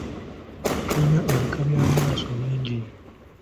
Tulina ebika by’amaaso bingi.